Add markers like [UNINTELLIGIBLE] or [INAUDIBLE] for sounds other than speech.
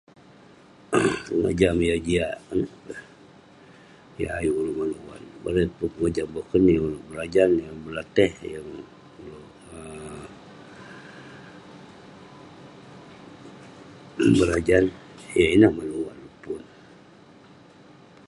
Mojam yah jiak yah ayuk ulouk manouk. Bareng eh pun pengojam boken. Yeng berajan, Yeng belateh, yeng- yeng um yeng berajan. Yah ineh [UNINTELLIGIBLE]